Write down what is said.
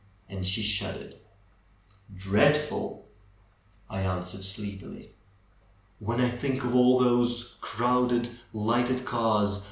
And she shuddered. ^^Dreadful !" I answered sleepily. ^^When I think of all those crowded, lighted cars.